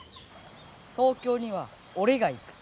東京には俺が行く。